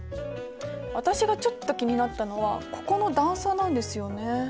私がちょっと気になったのはここの段差なんですよね。